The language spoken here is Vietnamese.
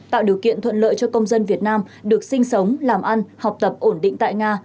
tạo điều kiện thuận lợi cho công dân việt nam được sinh sống làm ăn học tập ổn định tại nga